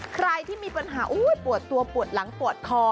ใครที่มีปัญหาปวดตัวปวดหลังปวดคอ